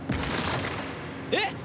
えっ？